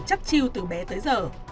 chiều từ bé tới giờ